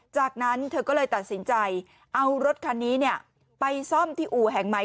จากนั้นเธอก็เลยตัดสินใจเอารถคันนี้ไปซ่อมที่อู่แห่งใหม่